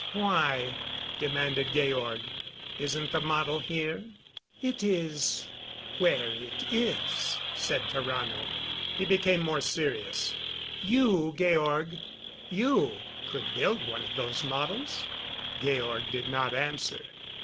"Why?" demanded Georg. "Isn't the model here?" "It is where it is," said Tarrano. He became more serious. "You, Georg you could build one of those models?" Georg did not answer.